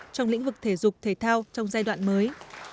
trong lĩnh vực thể dục thể thao trong giai đoạn mới